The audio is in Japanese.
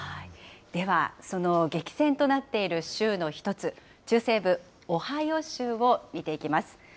ではその激戦となっている州の１つ、中西部オハイオ州を見ていきます。